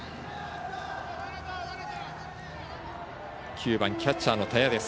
９番、キャッチャーの田屋です。